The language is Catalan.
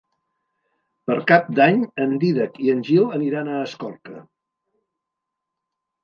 Per Cap d'Any en Dídac i en Gil aniran a Escorca.